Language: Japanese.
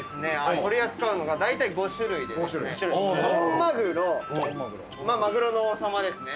取り扱うのがだいたい５種類で本マグロマグロの王様ですね